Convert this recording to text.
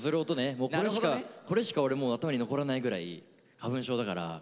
もうこれしか俺もう頭に残らないぐらい花粉症だから。